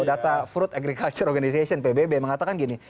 data fruit agriculture organization pbb mengatakan gini